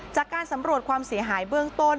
จากการสำรวจความเสียหายเบื้องต้น